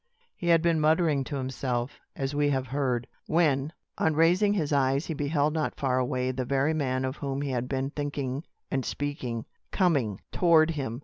He had been muttering to himself, as we have heard, when, on raising his eyes, he beheld not far away the very man of whom he had been thinking and speaking, coming toward him.